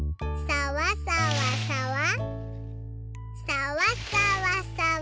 さわさわさわ。